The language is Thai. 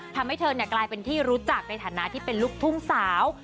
ทำให้เธอกลายเป็นที่รู้จักในฐานะที่เป็นลูกทุ่งสาว